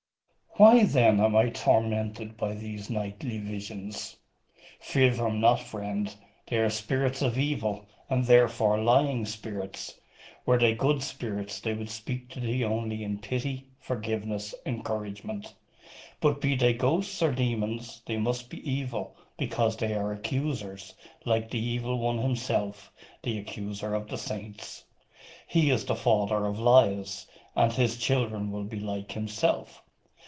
'Why then am I tormented by these nightly visions?' 'Fear them not, friend. They are spirits of evil, and therefore lying spirits. Were they good spirits they would speak to thee only in pity, forgiveness, encouragement. But be they ghosts or demons, they must be evil, because they are accusers, like the Evil One himself, the accuser of the saints. He is the father of lies, and his children will be like himself.